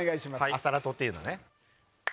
アサラトっていうのね。